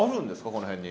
この辺に。